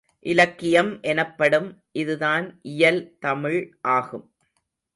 இலக்கியம் எனப்படும் இதுதான் இயல்தமிழ் ஆகும்.